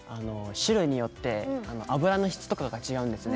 種類によって脂の質とかが違うんですね。